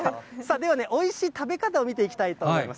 ではおいしい食べ方を見ていきたいと思います。